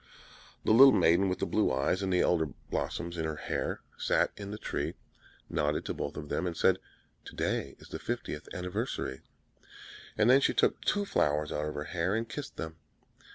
The little maiden, with the blue eyes, and with Elder blossoms in her hair, sat in the tree, nodded to both of them, and said, "To day is the fiftieth anniversary!" And then she took two flowers out of her hair, and kissed them.